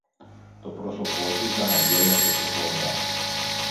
Το πρόσωπο του ήταν αγέλαστο και χλωμό.